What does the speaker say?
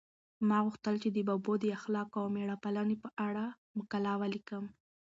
ما غوښتل چې د ببو د اخلاقو او مېړه پالنې په اړه مقاله ولیکم.